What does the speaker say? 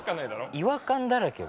違和感だらけよ